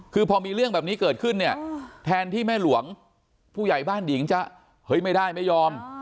คือพอมีเรื่องแบบนี้เกิดขึ้นเนี่ยแทนที่แม่หลวงผู้ใหญ่บ้านหญิงจะเฮ้ยไม่ได้ไม่ยอม